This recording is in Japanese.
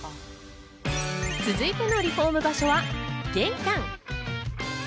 続いてのリフォーム場所は玄関。